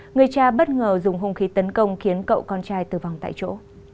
người cha bất ngờ dùng hung khí tấn công khiến cậu con trai tử vong tại chỗ